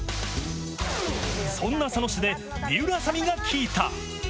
そんな佐野市で水卜麻美が聞いた。